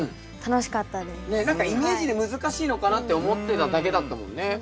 ねっ何かイメージで難しいのかなって思ってただけだったもんね。